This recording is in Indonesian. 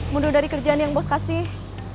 mundur dari kerjaan yang bos kasih